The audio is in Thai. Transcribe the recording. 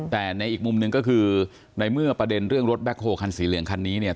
แต่ในอีกมุมหนึ่งก็คือในเมื่อประเด็นเรื่องรถแคคโฮคันสีเหลืองคันนี้เนี่ย